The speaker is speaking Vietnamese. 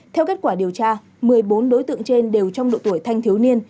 theo kết quả điều tra một mươi bốn đối tượng trên đều trong độ tuổi thanh thiếu niên